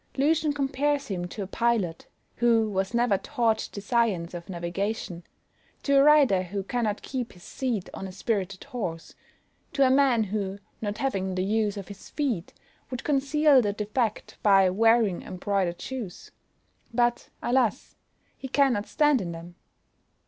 LUCIAN compares him to a pilot, who was never taught the science of navigation; to a rider who cannot keep his seat on a spirited horse; to a man who, not having the use of his feet, would conceal the defect by wearing embroidered shoes; but, alas! he cannot stand in them!